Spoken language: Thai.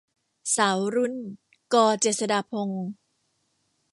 สาวรุ่น - ก เจษฎาพงศ์